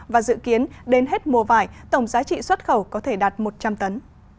và dự kiến đến hết mùa vải tổng giá trị xuất khẩu có thể đạt một trăm linh tấn